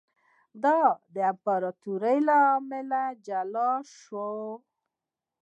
دا د امپراتورۍ له امله له جلا شوی و